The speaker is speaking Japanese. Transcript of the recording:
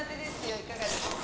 いかがですか。